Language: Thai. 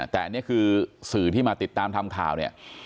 แต่อันนี้คือสื่อที่มาติดตามทำข่าวเนี่ย